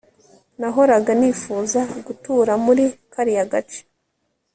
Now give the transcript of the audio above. Nahoraga nifuza gutura muri kariya gace